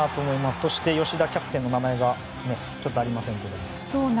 そして、吉田キャプテンの名前がちょっとありませんけどね。